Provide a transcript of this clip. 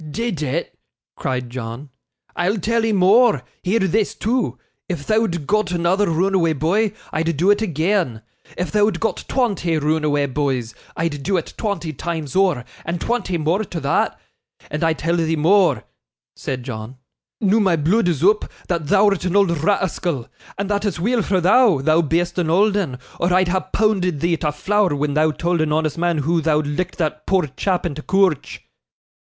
'Did it!' cried John. 'I'll tell 'ee more; hear this, too. If thou'd got another roonaway boy, I'd do it agean. If thou'd got twonty roonaway boys, I'd do it twonty times ower, and twonty more to thot; and I tell thee more,' said John, 'noo my blood is oop, that thou'rt an old ra'ascal; and that it's weel for thou, thou be'est an old 'un, or I'd ha' poonded thee to flour when thou told an honest mun hoo thou'd licked that poor chap in t' coorch.